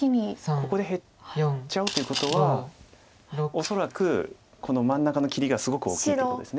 ここで減っちゃうっていうことは恐らくこの真ん中の切りがすごく大きいということです。